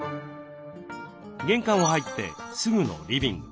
玄関を入ってすぐのリビング。